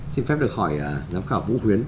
xin phép được hỏi giám khảo vũ huyến